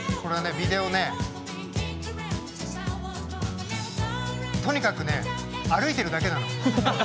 ビデオねとにかくね歩いてるだけなの。